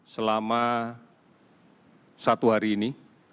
selama satu hari ini